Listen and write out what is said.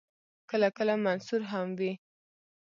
کله کله منثور هم وي.